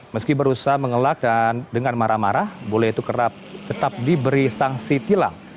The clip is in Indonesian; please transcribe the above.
meski berusaha mengelak dan dengan marah marah bule itu kerap tetap diberi sanksi tilang